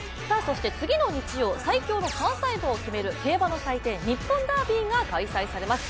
次の日曜、最強の３歳馬を決める競馬の祭典、日本ダービーが開催されます。